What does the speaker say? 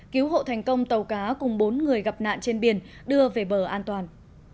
cứu hộ thành công tàu cá cùng bốn người gặp nạn trên biển đưa về bờ an toàn